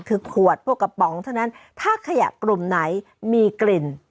คือขวดพวกกระป๋องเท่านั้นถ้าขยะกลุ่มไหนมีกลิ่น